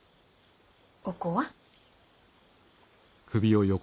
お子は？